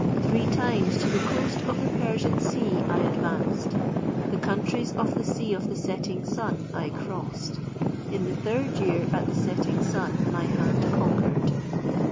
"Three times to the coast of the Persian sea I advanced." "The countries of the Sea of the setting Sun I crossed." "In the third year at the setting Sun my hand conquered."